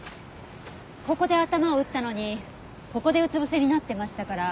ここで頭を打ったのにここでうつ伏せになってましたから。